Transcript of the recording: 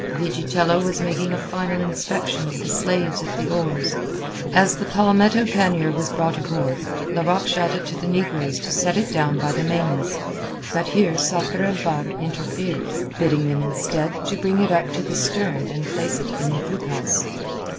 Vigitello was making a final inspection of the slaves at the oars. As the palmetto pannier was brought aboard, Larocque shouted to the negroes to set it down by the mainmast. But here Sakr el Bahr interfered, bidding them, instead, to bring it up to the stern and place it in the poop house.